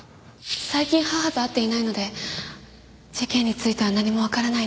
最近母と会っていないので事件については何もわからないんです。